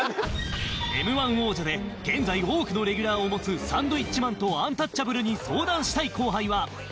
Ｍ−１ 王者で現在多くのレギュラーを持つサンドウィッチマンとアンタッチャブルに相談したい後輩は